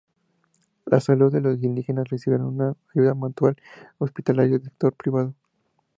La salud de los indígenas reciben una ayuda mutual hospitalaria del sector privado.